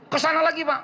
kesana lagi pak